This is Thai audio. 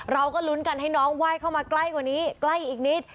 เราก็ลุ้นกันให้น้องไหว้เข้ามาใกล้กว่านี้ใกล้อีกนิด